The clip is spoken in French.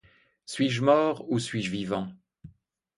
Suis-je mort ou suis-je vivant ?